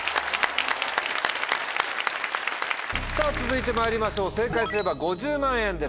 続いてまいりましょう正解すれば５０万円です。